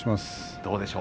どうでしょう？